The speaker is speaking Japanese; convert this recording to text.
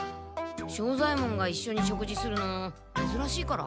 庄左ヱ門がいっしょに食事するのめずらしいから。